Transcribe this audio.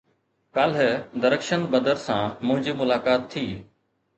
ڪالهه درخشند بدر سان منهنجي ملاقات ٿي